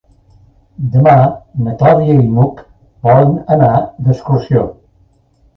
Demà na Clàudia i n'Hug volen anar d'excursió.